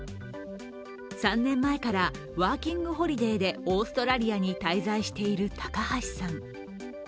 ３年前からワーキングホリデーでオーストラリアに滞在している高橋さん。